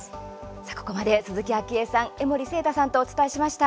さあ、ここまで鈴木あきえさん、江守正多さんとお伝えしました。